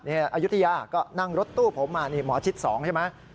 อายุทยาก็นั่งรถตู้ผมมานี่หมอชิด๒ใช่ไหม